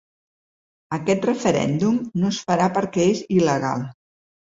Aquest referèndum no es farà perquè és il·legal.